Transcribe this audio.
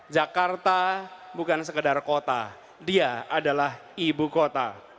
jakarta bukan sekedar kota dia adalah ibu kota